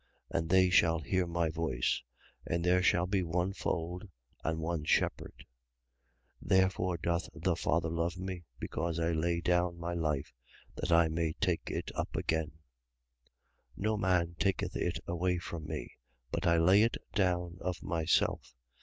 And they shall hear my voice: And there shall be one fold and one shepherd. 10:17. Therefore doth the Father love me: because I lay down my life, that I may take it again. 10:18. No man taketh it away from me: but I lay it down of myself.